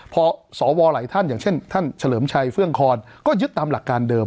พอสวหลายท่านอย่างเช่นท่านเฉลิมชัยเฟื่องคอนก็ยึดตามหลักการเดิม